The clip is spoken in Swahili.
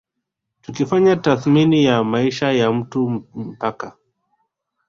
Tukifanya tathmini ya maisha ya mtu mpaka